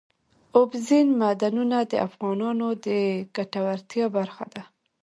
اوبزین معدنونه د افغانانو د ګټورتیا برخه ده.